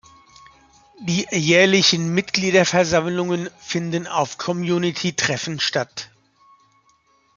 Die jährlichen Mitgliederversammlungen finden auf den Community-Treffen statt.